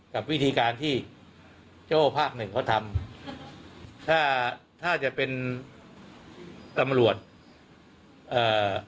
กับวิธีการที่โจ้ภาคหนึ่งเขาทำถ้าถ้าจะเป็นตำรวจเอ่อ